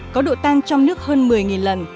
có độ tan trong nước hơn một mươi lần